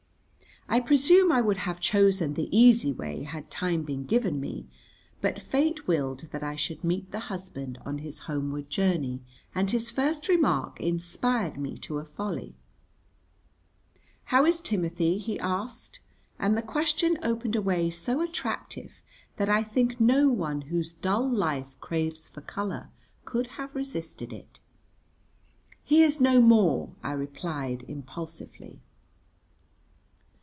I presume I would have chosen the easy way had time been given me, but fate willed that I should meet the husband on his homeward journey, and his first remark inspired me to a folly. "How is Timothy?" he asked; and the question opened a way so attractive that I think no one whose dull life craves for colour could have resisted it. "He is no more," I replied impulsively.